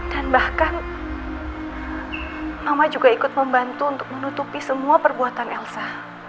dan bahkan mama juga ikut membantu untuk menutupi semua perbuatan elsa